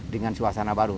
dengan suasana baru